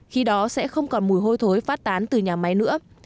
khi đó sẽ không còn mùi hôi thối phát tán từ nhà máy nữa